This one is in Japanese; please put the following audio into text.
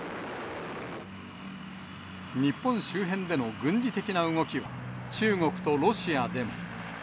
日本周辺での軍事的な動きは、中国とロシアでも。